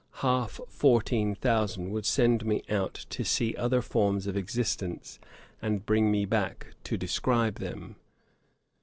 Half fourteen thousand would send me out to see other forms of existence, and bring me back to describe them.'